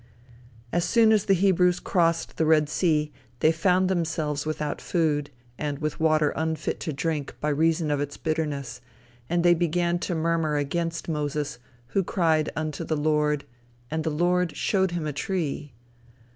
As soon as the Hebrews crossed the Red Sea, they found themselves without food, and with water unfit to drink by reason of its bitterness, and they began to murmur against Moses, who cried unto the Lord, and "the Lord showed him a tree."